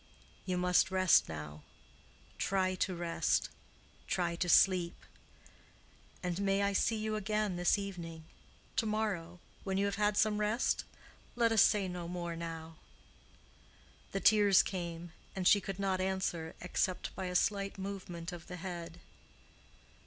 "You must rest now. Try to rest: try to sleep. And may I see you again this evening—to morrow—when you have had some rest? Let us say no more now." The tears came, and she could not answer except by a slight movement of the head.